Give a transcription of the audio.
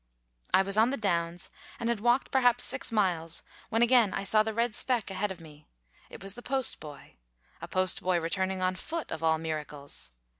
I was on the downs, and had walked, perhaps, six miles, when again I saw the red speck ahead of me. It was the post boy a post boy returning on foot, of all miracles.